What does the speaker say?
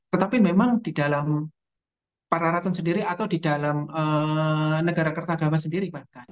tetapi memang di dalam pararaton sendiri atau di dalam negara kertagama sendiri bahkan